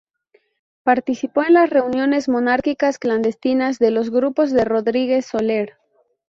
Participó en las reuniones monárquicas clandestinas de los grupos de Rodríguez Soler.